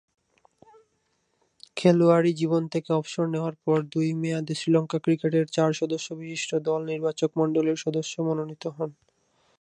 খেলোয়াড়ী জীবন থেকে অবসর নেয়ার পর দুই মেয়াদে শ্রীলঙ্কা ক্রিকেটের চার সদস্যবিশিষ্ট দল নির্বাচকমণ্ডলীর সদস্য মনোনীত হন।